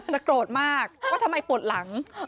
โกรธมากว่าทำไมปวดหลัง